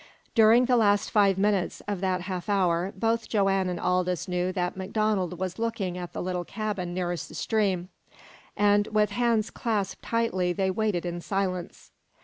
During the last five minutes of that half hour both Joanne and Aldous knew that MacDonald was looking at the little cabin nearest the stream, and with hands clasped tightly they waited in silence.